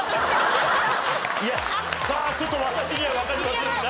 いやさあちょっと私にはわかりませんが。